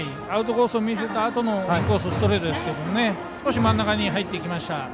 アウトコースを見せたあとのインコース、ストレートですが少し真ん中に入ってきました。